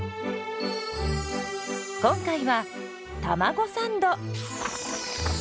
今回はたまごサンド。